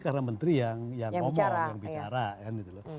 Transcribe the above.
karena menteri yang yang bicara yang bicara